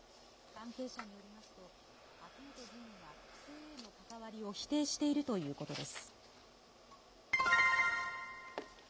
関係者によりますと、秋本議員は不正への関わりを否定しているということです。